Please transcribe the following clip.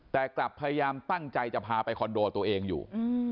แต่กลับพยายามตั้งใจจะพาไปคอนโดตัวเองอยู่